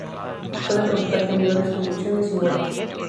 Puede provocar temblores, convulsiones y muerte.